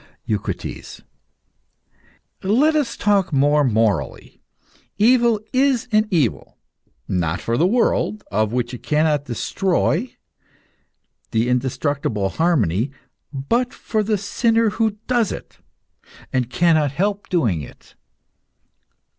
EUCRITES. Let us talk more morally. Evil is an evil not for the world, of which it cannot destroy the indestructible harmony but for the sinner who does it, and cannot help doing it.